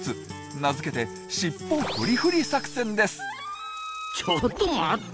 名付けてちょっと待った！